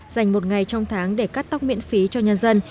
dành một ngày trong tháng để cắt tóc miễn phí cho nhân dân